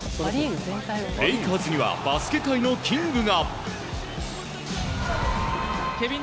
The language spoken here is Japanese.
レイカーズにはバスケ界のキングが。